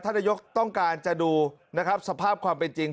นายกต้องการจะดูนะครับสภาพความเป็นจริง